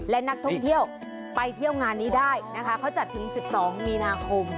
และนักท่องเที่ยวไปเที่ยวงานนี้ได้นะคะเขาจัดถึง๑๒มีนาคม